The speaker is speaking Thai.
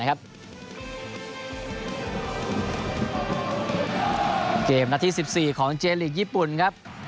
เกมนัดที่๑๔ของเจลีกญี่ปุ่นครับ